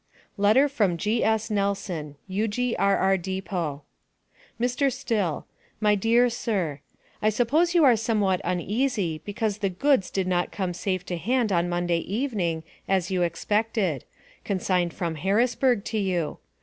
LETTER FROM G.S. NELSON (U.G.R.R. DEPOT). MR. STILL: My Dear Sir I suppose you are somewhat uneasy because the goods did not come safe to hand on Monday evening, as you expected consigned from Harrisburg to you.